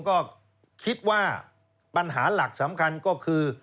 ก็คิดว่าปัญหาหลักสำคัญก็คือ